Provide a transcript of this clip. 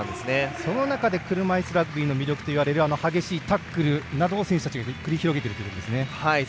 その中で車いすラグビーの魅力といわれる激しいタックルなどを選手たちが繰り広げているということですね。